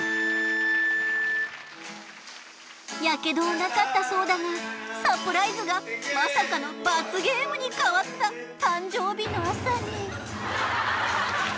やけどはなかったそうだがサプライズがまさかの罰ゲームに変わった誕生日の朝に。